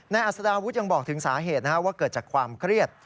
อัศดาวุฒิยังบอกถึงสาเหตุว่าเกิดจากความเครียด